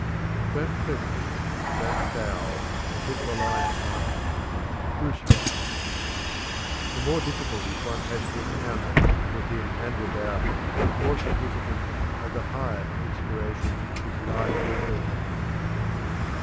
"Don't flinch; don't foul; but hit the line hard." Roosevelt. "The more difficulties one has to encounter, within and without, the more significant and the higher in inspiration his life will be."